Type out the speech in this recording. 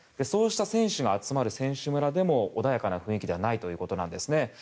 そうした選手が集まる選手村でも穏やかな雰囲気ではないということです。